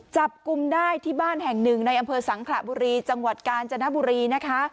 จับกลุ่มได้ที่บ้านแห่งหนึ่งในอำเภอสังขระบุรีจังหวัดกาญจนบุรีนะคะ